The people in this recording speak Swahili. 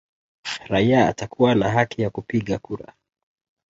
Raia atakuwa na haki ya kupiga kura